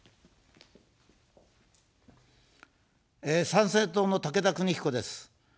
参政党の武田邦彦です。